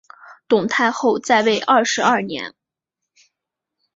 董太后在位二十二年。